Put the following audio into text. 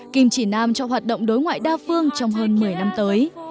kim chỉ nam cho hoạt động đối ngoại đa phương trong hơn một mươi năm tới